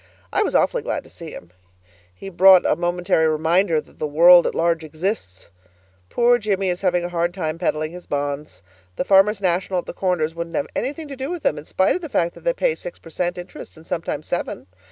I was awfully glad to see him; he brought a momentary reminder that the world at large exists. Poor Jimmie is having a hard time peddling his bonds. The 'Farmers' National' at the Corners wouldn't have anything to do with them in spite of the fact that they pay six per cent. interest and sometimes seven.